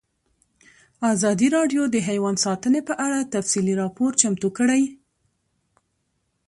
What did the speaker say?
ازادي راډیو د حیوان ساتنه په اړه تفصیلي راپور چمتو کړی.